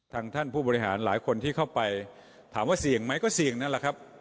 ท่านผู้บริหารหลายคนที่เข้าไปถามว่าเสี่ยงไหมก็เสี่ยงนั่นแหละครับ